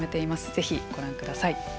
ぜひご覧ください。